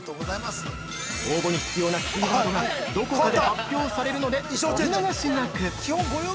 応募に必要なキーワードがどこかで発表されるのでお見逃しなく！